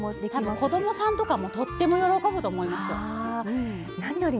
子どもさんとかもとっても喜ぶと思いますよ。